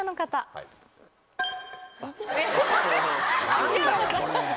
何だよこれ。